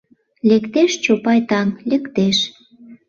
Лектеш, Чопай таҥ, лектеш.